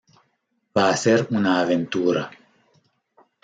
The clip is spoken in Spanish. Va a ser una aventura“.